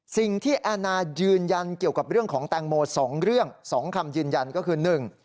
สิ่งที่แอนายืนยันเกี่ยวกับเรื่องของแตงโม๒เรื่อง๒คำยืนยันก็คือ